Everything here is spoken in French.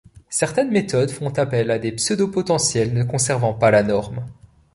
Certaines méthodes font appel à des pseudopotentiels ne conservant pas la norme.